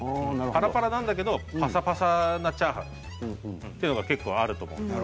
パラパラなんだけどパサパサなチャーハンというのが結構あると思うんです。